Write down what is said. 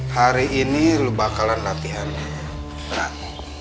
hari ini lu bakalan latihan berat